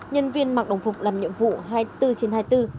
nhân viên mặc đồng phục làm nhiệm vụ hai mươi bốn trên hai mươi bốn